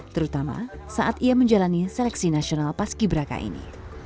terutama saat ia menjalani seleksi nasional paski beraka ini